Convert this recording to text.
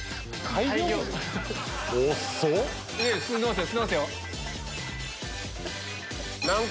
進んでますよ。